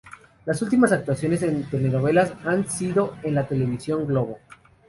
Sus últimas actuaciones en telenovelas han sido en la televisión Globo.